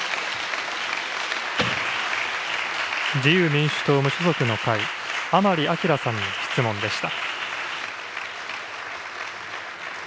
自由民主党・無所属の会、甘利明さんの質問でした。